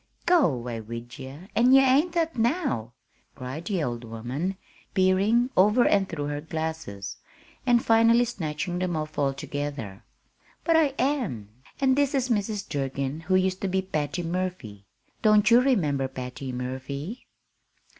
"Go 'way wid ye, an' ye ain't that now!" cried the old woman, peering over and through her glasses, and finally snatching them off altogether. "But I am. And this is Mrs. Durgin, who used to be Patty Murphy. Don't you remember Patty Murphy?"